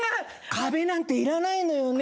壁なんていらないのよね。